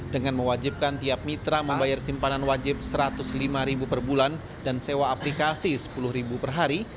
dengan mewajibkan tiap mitra membayar simpanan wajib rp satu ratus lima per bulan dan sewa aplikasi sepuluh per hari